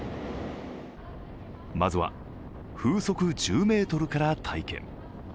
まずは風速１０メートルから体験。